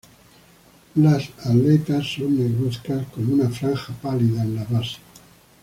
Las aletas son negruzcas con una franja pálida en la base.